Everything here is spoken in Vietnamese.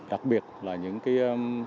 đặc biệt là những cái